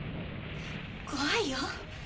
怖いよ。